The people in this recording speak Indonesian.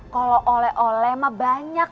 kalau oleh oleh mah banyak